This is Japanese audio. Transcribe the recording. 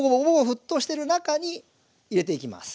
沸騰してる中に入れていきます。